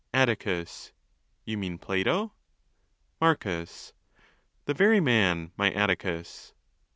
Atticus. —You mean Plato. Marcus.—The very man, my Atticus.